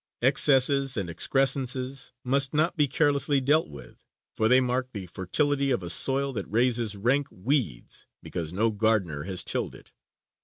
Excesses and excrescences must not be carelessly dealt with, for they mark the fertility of a soil that raises rank weeds because no gardener has tilled it.